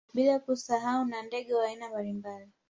Bila kusahau na ndege wa aina mbalimbali